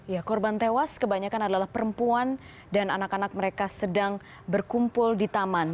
ya korban tewas kebanyakan adalah perempuan dan anak anak mereka sedang berkumpul di taman